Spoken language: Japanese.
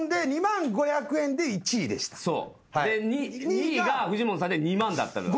２位がフジモンさんで２万だったの。